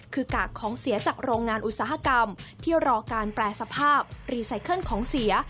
คือกากของเสียจากโรงงานอุตสาหกรรมที่รอการแปรสภาพรีไซเคิลของเสีย